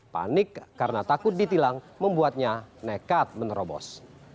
panik karena takut ditilang membuatnya nekat menerobos